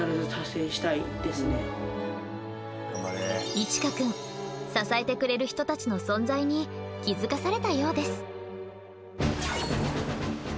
一奏くん支えてくれる人たちの存在に気づかされたようです。